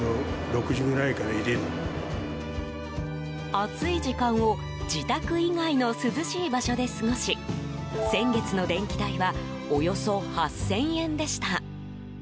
暑い時間を自宅以外の涼しい場所で過ごし先月の電気代はおよそ８０００円でした。